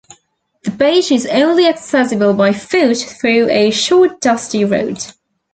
The beach is only accessible by foot through a short dusty road.